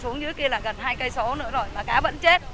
nó xuống dưới kia là gần hai km nữa rồi mà cá vẫn chết